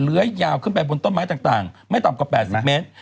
ยาวขึ้นไปบนต้นไม้ต่างไม่ต่ำกว่า๘๐เมตร